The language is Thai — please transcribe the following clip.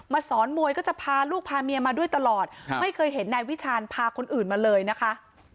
สอนมวยก็จะพาลูกพาเมียมาด้วยตลอดไม่เคยเห็นนายวิชาญพาคนอื่นมาเลยนะคะ